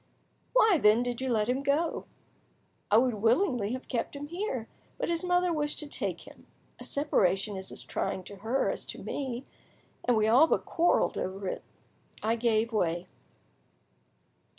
"Why, then, did you let him go?" "I would willingly have kept him here, but his mother wished to take him. A separation is as trying to her as to me, and we all but quarrelled over it. I gave way."